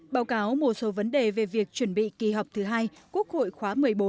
báo cáo một số vấn đề về việc chuẩn bị kỳ họp thứ hai quốc hội khóa một mươi bốn